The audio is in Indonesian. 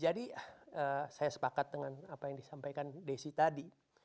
jadi saya sepakat dengan apa yang disampaikan desy tadi